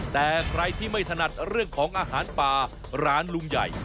แต่ใครที่ไม่ถนัดเรื่องของอาหารป่าร้านลุงใหญ่